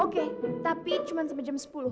oke tapi cuma sampai jam sepuluh